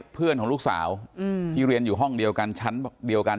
เพื่อนของลูกสาวที่เรียนอยู่ห้องเดียวกัน